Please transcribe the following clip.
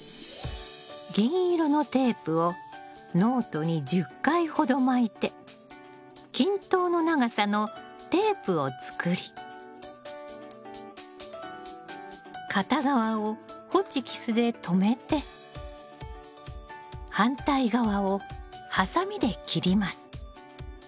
銀色のテープをノートに１０回ほど巻いて均等の長さのテープを作り片側をホチキスでとめて反対側をはさみで切ります。